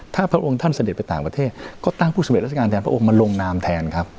ถ้าพระองค์ท่านเสด็จไปต่างประเทศก็ตั้งผู้สำเร็จราชการแทนพระองค์มาลงนามแทนครับ